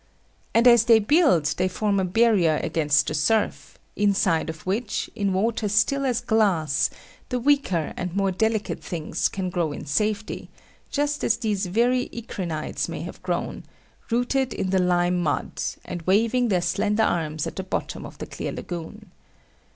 And as they build they form a barrier against the surf, inside of which, in water still as glass, the weaker and more delicate things can grow in safety, just as these very Encrinites may have grown, rooted in the lime mud, and waving their slender arms at the bottom of the clear lagoon.